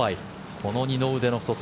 この二の腕の太さ。